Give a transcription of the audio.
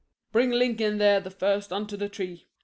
] Bring Lincoln there the first unto the tree.